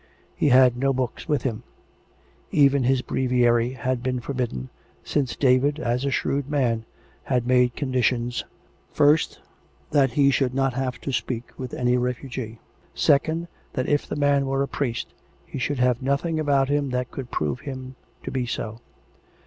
He had no books with him; even his breviary had been for bidden, since David, as a shrewd man, had made condi tions, first that he should not have to speak with any refu gee, second, that if the man were a priest he should have nothing about him that could prove him to be so.